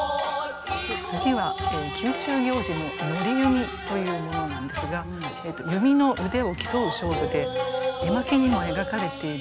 次は宮中行事の賭弓というものなんですが弓の腕を競う勝負で絵巻にも描かれている場面です。